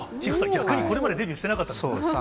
逆にこれまでデビューしてなかったんですか？